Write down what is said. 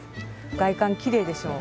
外観きれいでしょう。